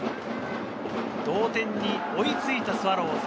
同点に追いついたスワローズ。